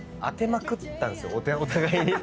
お互いに。